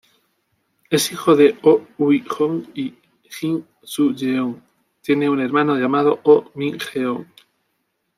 Es hijo de Oh Ui-jong y Jin Su-yeon, tiene un hermano llamado Oh Min-jeong.